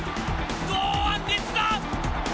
堂安律だ！